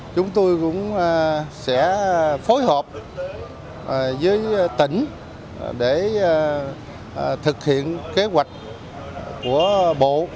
chúng tôi cũng sẽ phối hợp với tỉnh để thực hiện kế hoạch của bộ